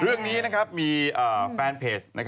เรื่องนี้นะครับมีแฟนเพจ